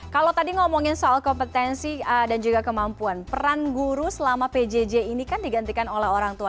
kalau tadi ngomongin soal kompetensi dan juga kemampuan peran guru selama pjj ini kan digantikan oleh orang tua